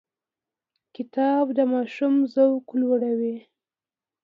کتاب د ماشوم ذوق لوړوي.